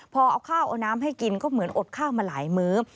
พอเอาข้าวเอาน้ำให้กินก็เหมือนอดข้าวมาหลายมื้อ